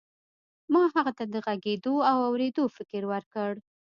ما هغه ته د غږېدو او اورېدو فکر ورکړ.